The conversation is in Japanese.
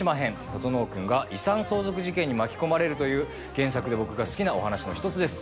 整くんが遺産相続事件に巻き込まれるという原作で僕が好きなお話の１つです。